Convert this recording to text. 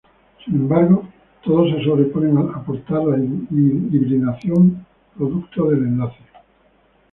Sin embargo todos se sobreponen al aportar la hibridación producto del enlace.